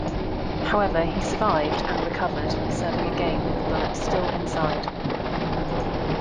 However, he survived and recovered, serving again with the bullet still inside.